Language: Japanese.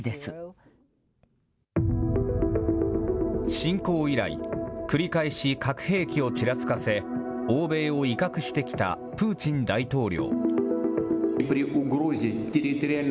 侵攻以来、繰り返し核兵器をちらつかせ、欧米を威嚇してきたプーチン大統領。